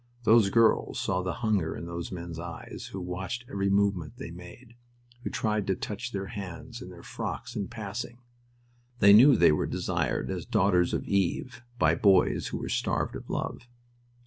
Those girls saw the hunger in those men's eyes, who watched every movement they made, who tried to touch their hands and their frocks in passing. They knew they were desired, as daughters of Eve, by boys who were starved of love.